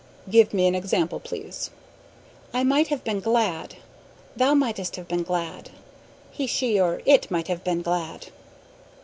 "Give me an example, please." "I might have been glad Thou mightst have been glad He, she, or it might have been glad."